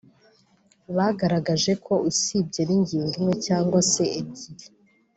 Bagaragaje ko usibye n’ingingo imwe cyangwa se ebyiri